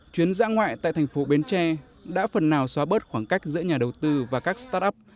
chuyến giã ngoại tại thành phố bến tre đã phần nào xóa bớt khoảng cách giữa nhà đầu tư và các start up